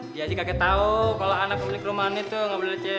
jadi kakek tau kalo anak punya kerumahan itu ga boleh leceh